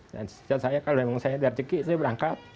dan sejati saya kalau memang saya dari cekik saya berangkat